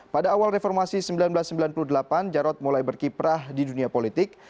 pada awal reformasi seribu sembilan ratus sembilan puluh delapan jarod mulai berkiprah di dunia politik